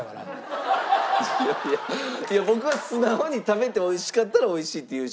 僕は素直に食べて美味しかったら美味しいって言うし。